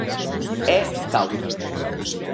É cauta.